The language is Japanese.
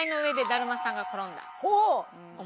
ほう。